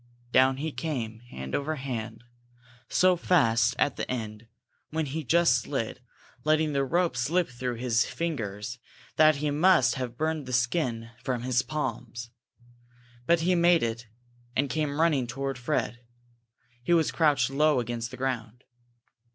Down he came, hand over hand, so fast at the end, when he just slid, letting the rope slip through his fingers, that he must have burned the skin from his palms. But he made it, and came running toward Fred. He was crouched low against the ground.